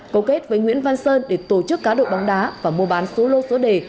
cầu kết với nguyễn văn sơn để tổ chức cá độ bóng đá và mua bán số lô số đề